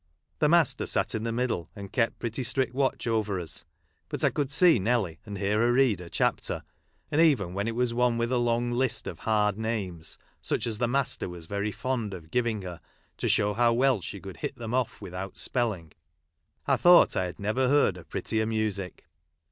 The master sat in the middle, and kept pretty strict watch over us. But I could see Nelly, and hear her read her chapter ; and even when it was one with a long list of hard names, such as the master was very fond of giving her, to show how well she could hit them off without spelling, I thought I had never heard a prettier music.